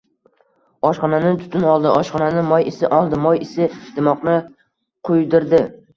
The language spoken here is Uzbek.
Oshxonani tutun oldi. Oshxonani moy isi oldi. Moy isi... dimoqni quydirdi.